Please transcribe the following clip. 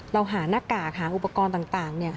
เราหาหน้ากากหาอุปกรณ์ต่าง